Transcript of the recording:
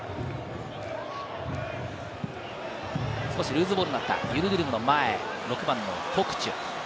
少しルーズボールになった、ユルドゥルムの前、コクチュ。